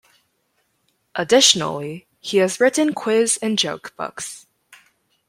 Additionally, he has written quiz and joke books.